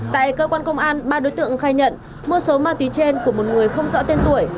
tại cơ quan công an ba đối tượng khai nhận mua số ma túy trên của một người không rõ tên tuổi